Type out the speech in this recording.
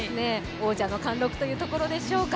王者の貫禄というところでしょうか。